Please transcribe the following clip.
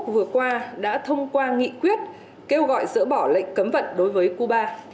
việt nam vừa qua đã thông qua nghị quyết kêu gọi dỡ bỏ lệnh cấm vận đối với cuba